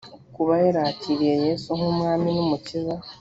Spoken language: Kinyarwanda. kuba yarakiriye yesu nk umwami n umukiza